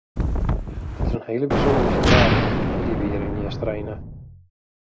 Dat is in hele bysûndere situaasje dy't we hjir yn Easterein ha.